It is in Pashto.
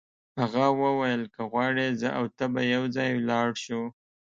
هغه وویل که غواړې زه او ته به یو ځای ولاړ شو.